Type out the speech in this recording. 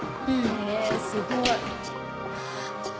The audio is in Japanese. へえすごい。